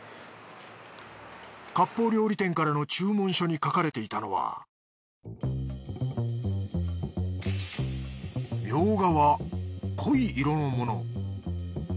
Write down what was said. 割烹料理店からの注文書に書かれていたのはみょうがは濃い色のもの。